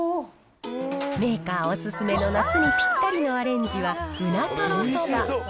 メーカーお勧めの夏にぴったりのアレンジは、うなとろそば。